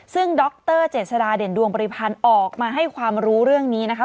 ซึ่งดรเจษฎาเด่นดวงบริพันธ์ออกมาให้ความรู้เรื่องนี้นะคะ